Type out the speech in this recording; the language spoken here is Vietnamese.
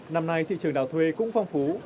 năm nay thị trường đào thuê cũng phong phú